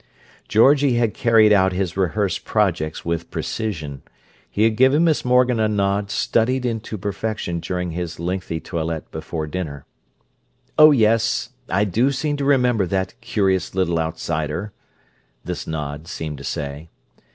Georgie had carried out his rehearsed projects with precision, he had given Miss Morgan a nod studied into perfection during his lengthy toilet before dinner. "Oh, yes, I do seem to remember that curious little outsider!" this nod seemed to say.